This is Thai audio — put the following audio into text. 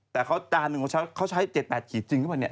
แต่เขาจานหนึ่งเขาใช้๗๘ขีดจริงหรือเปล่าเนี่ย